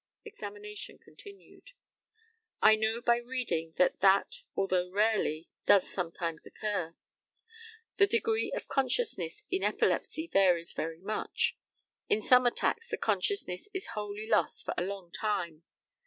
Examination continued: I know by reading that that, although rarely, does sometimes occur. The degree of consciousness in epilepsy varies very much. In some attacks the consciousness is wholly lost for a long time.